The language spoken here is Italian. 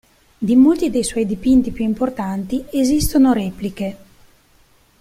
Di molti dei suoi dipinti più importanti esistono repliche.